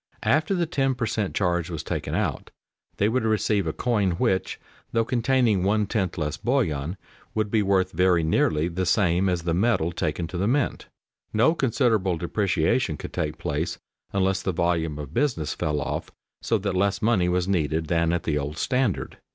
After the ten per cent. charge was taken out they would receive a coin which, though containing one tenth less bullion, would be worth very nearly the same as the metal taken to the mint. No considerable depreciation could take place unless the volume of business fell off so that less money was needed than at the old standard.